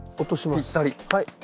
ぴったり！